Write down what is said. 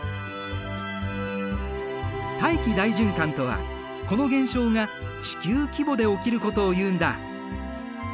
大気大循環とはこの現象が地球規模で起きることをいうんだ。